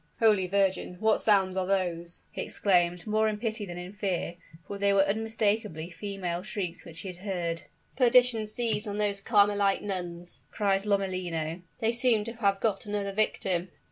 "Holy Virgin! what sounds are those?" he exclaimed, more in pity than in fear for they were unmistakably female shrieks which he heard. "Perdition seize on those Carmelite nuns!" cried Lomellino; "they seem to have got another victim!"